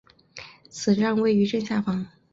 此站位于正下方。